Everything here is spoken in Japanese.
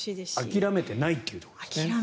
諦めていないっていうところですね。